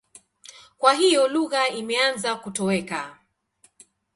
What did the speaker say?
Kwa hiyo lugha imeanza kutoweka.